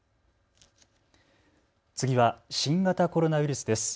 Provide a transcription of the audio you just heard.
次は新型コロナウイルスです。